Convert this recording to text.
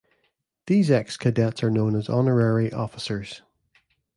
These ex-cadets are known as "Honorary Officers".